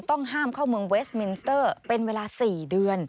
ต้องห้ามเข้าเมืองเวสมินสเตอร์เป็นเวลา๔เดือน